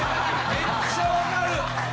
めっちゃ分かる！